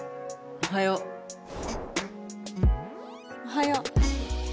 おはよう。